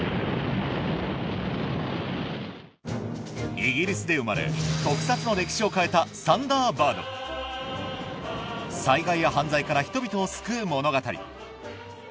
イギリスで生まれ特撮の歴史を変えた災害や犯罪から人々を救う物語